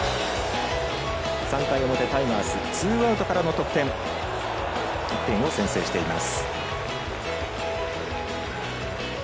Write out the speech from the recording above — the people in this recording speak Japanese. ３回表、タイガースツーアウトからの得点１点を先制しています。